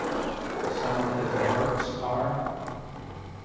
Some of his works are.